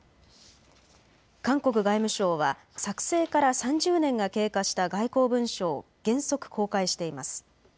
韓国外務省は作成から３０年が経過した外交文書を原則公開しています。